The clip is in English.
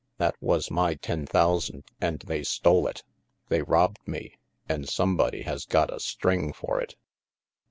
"That was my ten thousand and they stole it. They robbed me, and somebody has gotta string for it."